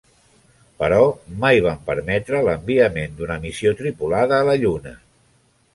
Però mai van permetre l'enviament d'una missió tripulada a la Lluna.